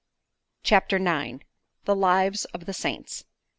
CHAPTER IX. THE LIVES OF THE SAINTS.